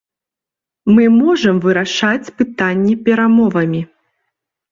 Мы можам вырашаць пытанні перамовамі.